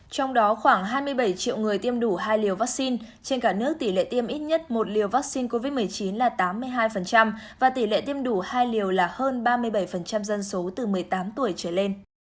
trong đó khoảng hai mươi bảy triệu người tiêm đủ hai liều vaccine trên cả nước tỷ lệ tiêm ít nhất một liều vaccine covid một mươi chín là tám mươi hai và tỷ lệ tiêm đủ hai liều là hơn ba mươi bảy dân số từ một mươi tám tuổi trở lên